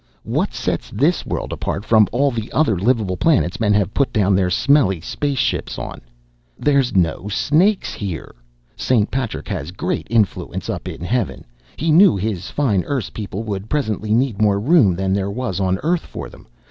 What sets this world apart from all the other livable planets men have put down their smelly spaceships on? There's no snakes here! St. Patrick has great influence up in Heaven. He knew his fine Erse people would presently need more room than there was on Earth for them.